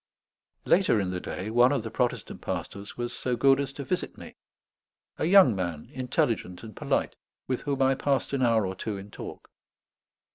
Later in the day one of the Protestant pastors was so good as to visit me: a young man, intelligent and polite, with whom I passed an hour or two in talk.